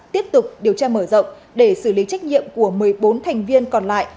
tiếp tục điều tra mở rộng để xử lý trách nhiệm của một mươi bốn thành viên còn lại